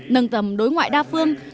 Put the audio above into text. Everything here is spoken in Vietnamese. nâng tầm đối ngoại đa phương